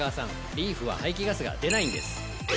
リーフは排気ガスが出ないんです！